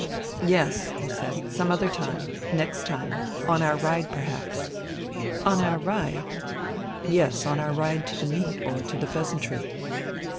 "Yes," he said. "Some other time. Next time. On our ride perhaps." "On our ride?" "Yes, on our ride to the meet, or to the 'Pheasantry.'"